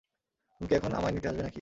তুমি কি এখন আমায় নিতে আসবে নাকি?